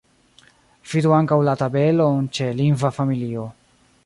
Vidu ankaŭ la tabelon ĉe lingva familio.